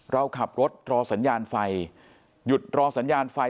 เราขับรถรอสัญญาณไฟหยุดรอสัญญาณไฟ